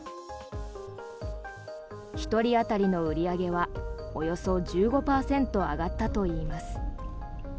１人当たりの売り上げはおよそ１５％上がったといいます。